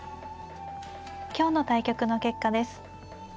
今日の対局の結果です。